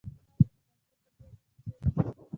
ما وپوښتل ته پوهیږې چې چیرې ځې.